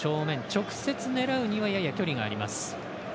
直接狙うにはやや距離があります。